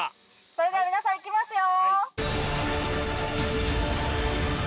それでは皆さんいきますよ